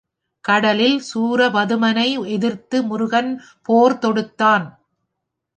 கடலில் சூரபதுமனை எதிர்த்து முருகன் போர் தொடுத்தான்.